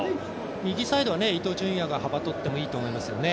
右サイドは伊東純也が幅をとってもいいと思いますよね。